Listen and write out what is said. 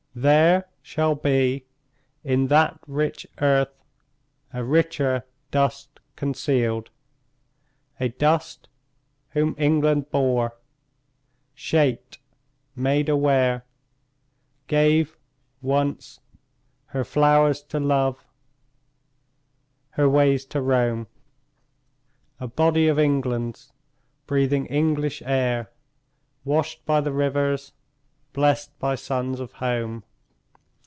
There shall be In that rich earth a richer dust concealed; A dust whom England bore, shaped, made aware, Gave, once, her flowers to love, her ways to roam, A body of England's, breathing English air, Washed by the rivers, blest by suns of home.